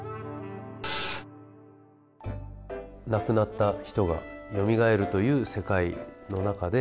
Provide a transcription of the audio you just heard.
亡くなった人がよみがえるという世界の中で。